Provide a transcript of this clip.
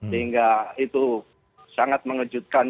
sehingga itu sangat mengejutkan